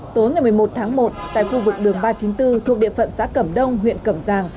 tối ngày một mươi một tháng một tại khu vực đường ba trăm chín mươi bốn thuộc địa phận xã cẩm đông huyện cẩm giang